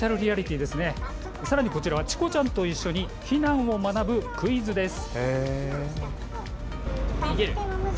さらに、こちらはチコちゃんと一緒に避難を学ぶクイズです。